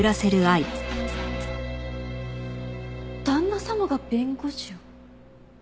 旦那様が弁護士を？